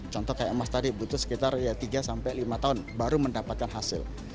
contoh kayak emas tadi butuh sekitar tiga sampai lima tahun baru mendapatkan hasil